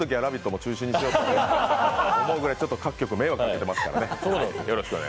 中止にしようと思うぐらいちょっと各局に迷惑かけてますからね。